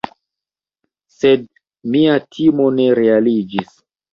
Sed mia timo ne realiĝis.